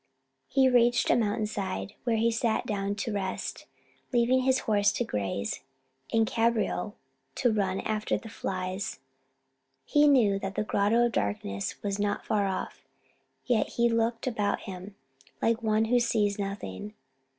He reached a mountain side, where he sat down to rest, leaving his horse to graze, and Cabriole to run after the flies. He knew that the Grotto of Darkness was not far off, yet he looked about him like one who sees nothing.